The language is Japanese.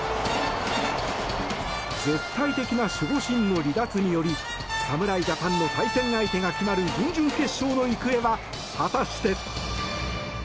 絶対的な守護神の離脱により侍ジャパンの対戦相手が決まる準々決勝の行方は果たして。